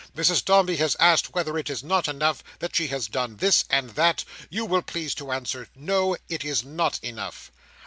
Mrs Dombey has asked 'whether it is not enough,' that she had done this and that. You will please to answer no, it is not enough."